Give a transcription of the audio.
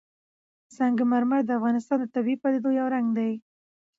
سنگ مرمر د افغانستان د طبیعي پدیدو یو رنګ دی.